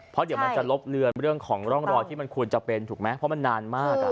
เพราะเดี๋ยวมันจะลบเลือนเรื่องของร่องรอยที่มันควรจะเป็นถูกไหมเพราะมันนานมาก